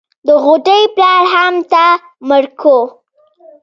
د غوټۍ پلار هم تا مړ کو.